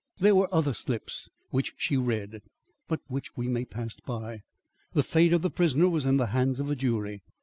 There were other slips, which she read but which we may pass by. The fate of the prisoner was in the hands of a jury.